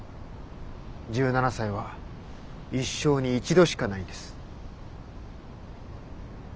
１７才は一生に一度しかないんです。